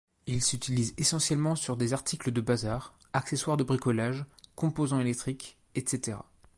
Il s'utilise essentiellement sur des articles de bazar, accessoires de bricolage, composants électriques, etc.